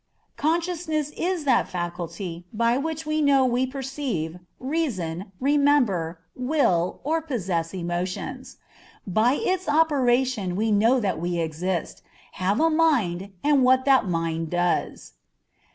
Consciousness is that faculty by which we know we perceive, reason, remember, will, or possess emotions. By its operation we know that we exist, have a mind, and what that mind does.